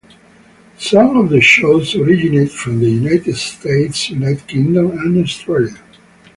Some of the shows originate from the United States, United Kingdom and Australia.